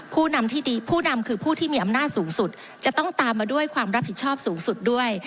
ผู้นำที่ดีผู้นำคือผู้ที่มีอำนาจสูงสุดจะต้องตามมาด้วยความรับผิดชอบสูงสุดด้วย